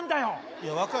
いや分かる？